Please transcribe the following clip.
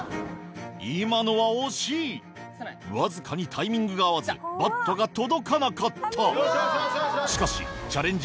今のは惜しいわずかにタイミングが合わずバットが届かなかったしかしチャレンジ